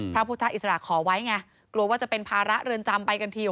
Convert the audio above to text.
พระพุทธอิสระขอไว้ไงกลัวว่าจะเป็นภาระเรือนจำไปกันที